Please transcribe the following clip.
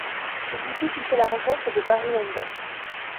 C'est ici qu'il fait la rencontre de Barry London.